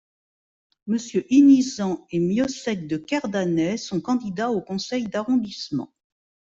Mr Inizan et Miossec de Kerdanet sont candidats au conseil d'arrondissement.